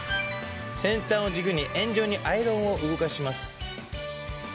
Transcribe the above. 先端を軸に円状にアイロンを動かします。